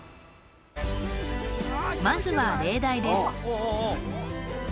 まずは例題です